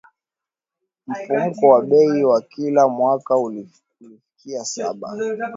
Mfumuko wa bei wa kila mwaka ulifikia saba.